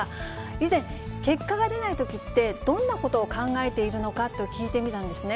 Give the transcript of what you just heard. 以前、結果が出ないときって、どんなことを考えているのかと聞いてみたんですね。